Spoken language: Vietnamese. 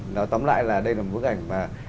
nó tóm lại là đây là một bức ảnh mà